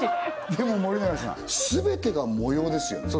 でも森永さん全てが模様ですよね